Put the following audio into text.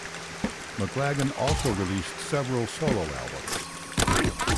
McLagan also released several solo albums.